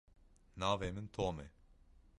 Navê min Tom e.